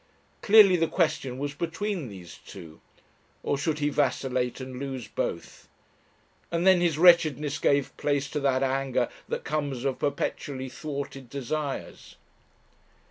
Clearly the question was between these two. Or should he vacillate and lose both? And then his wretchedness gave place to that anger that comes of perpetually thwarted desires....